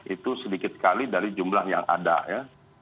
itu sedikit sekali dari jumlah yang ada ya